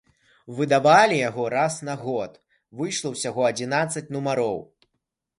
Выдавалі яго раз на год, выйшла ўсяго адзінаццаць нумароў.